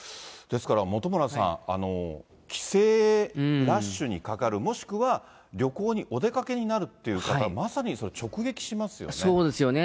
ですから本村さん、帰省ラッシュにかかる、もしくは旅行にお出かけになるっていう方、まさに直撃しますよね。